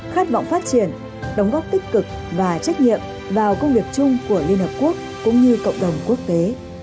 khát vọng phát triển đóng góp tích cực và trách nhiệm vào công việc chung của liên hợp quốc cũng như cộng đồng quốc tế